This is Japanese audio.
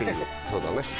そうだね。